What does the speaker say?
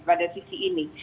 pada sisi ini